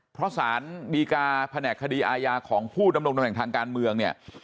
เพราะสารดีกาแผนกคดีอาญาของผู้ดำรงตำแหน่งทางการเมืองเนี่ย